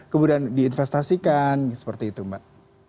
kemudian diinvestasikan seperti itu mbak